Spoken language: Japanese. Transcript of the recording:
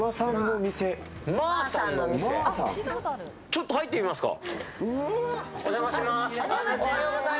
ちょっと入ってみますか。